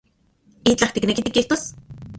¿Itlaj tikneki tikijtos?